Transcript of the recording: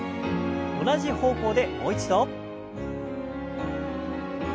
同じ方向でもう一度。